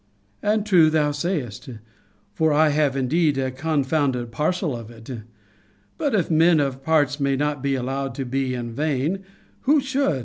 And true thou sayest: for I have indeed a confounded parcel of it. But, if men of parts may not be allowed to be in vain, who should!